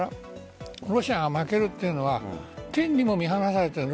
ロシアが負けるというのは天にも見放された。